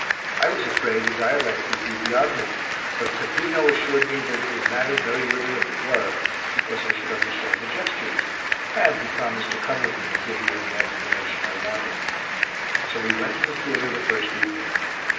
I was afraid the dialect would be beyond me, but Peppino assured me that it would matter very little if it were, because I should understand the gestures, and he promised to come with me and give me any explanation I wanted. So we went to the theatre the first evening.